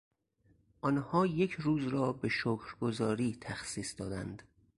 آنها یک روز را به شکرگزاری تخصیص دادند.